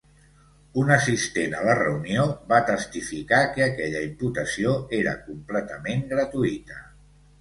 Un assistent a la reunió va testificar que aquella imputació era completament gratuïta.